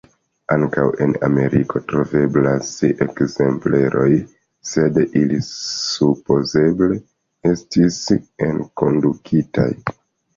Ankaŭ en Ameriko troveblas ekzempleroj, sed ili supozeble estis enkondukitaj.